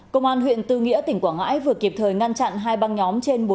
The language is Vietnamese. công an huyện tư nghĩa tỉnh quảng ngãi vừa kịp thời ngăn chặn hai băng nhóm trên